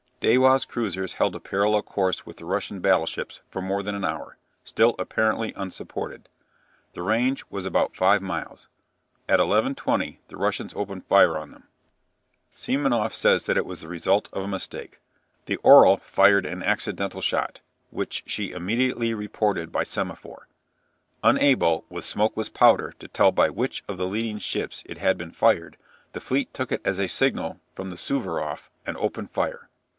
Dewa's cruisers held a parallel course with the Russian battleships for more than an hour, still apparently unsupported. The range was about five miles. At 11.20 the Russians opened fire on them. Semenoff says that it was the result of a mistake. "The 'Orel' fired an accidental shot (which she immediately reported by semaphore). Unable, with smokeless powder, to tell by which of the leading ships it had been fired, the fleet took it as a signal from the 'Suvaroff' and opened fire.